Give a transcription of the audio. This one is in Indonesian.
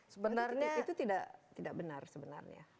sebenarnya itu tidak benar sebenarnya